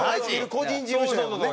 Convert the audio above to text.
個人事務所やもんね。